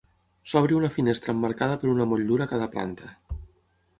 S'obre una finestra emmarcada per una motllura a cada planta.